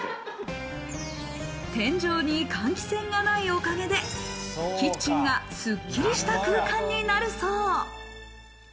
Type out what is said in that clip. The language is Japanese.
天井に換気扇がないおかげで、キッチンがすっきりした空間になるそう。